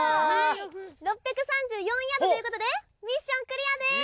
６３４ヤードということでミッションクリアです！